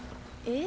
え。